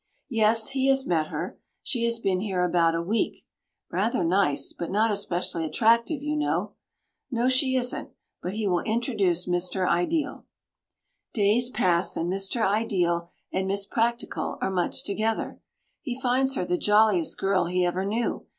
Yes, he has met her. She has been here about a week. "Rather nice, but not especially attractive, you know." No, she isn't, but he will introduce Mr. Ideal. Days pass, and Mr. Ideal and Miss Practical are much together. He finds her the jolliest girl he ever knew.